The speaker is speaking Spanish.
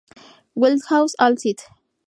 Wildhaus-Alt St.